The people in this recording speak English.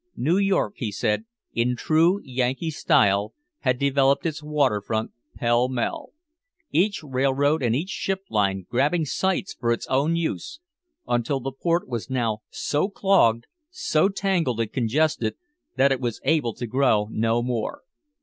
New York, he said, in true Yankee style had developed its waterfront pell mell, each railroad and each ship line grabbing sites for its own use, until the port was now so clogged, so tangled and congested that it was able to grow no more.